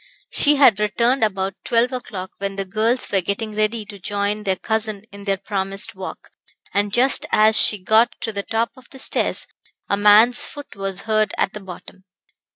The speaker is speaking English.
She had returned about twelve o'clock, when the girls were getting ready to join their cousin in their promised walk, and just as she got to the top of the stairs, a man's foot was heard at the bottom.